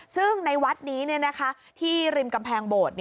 ซึ่งในวัดนี้ที่ริมกำแพงโบสถ์